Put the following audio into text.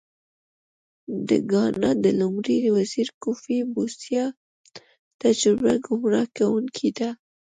د ګانا د لومړي وزیر کوفي بوسیا تجربه ګمراه کوونکې ده.